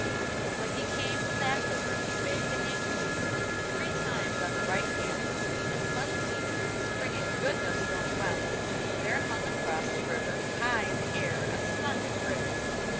When he came to that river he waved the handkerchief three times on the right hand, and suddenly, springing goodness knows whence, there hung across the river, high in the air, a splendid bridge.